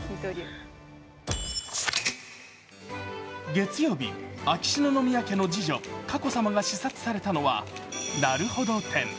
月曜日、秋篠宮家の次女・佳子さまが視察されたのはなるほど展。